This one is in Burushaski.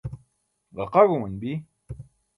ġaqaẏauman bi